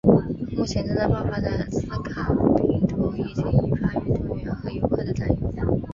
目前正在爆发的兹卡病毒疫情引发运动员和游客的担忧。